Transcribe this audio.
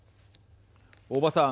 大庭さん。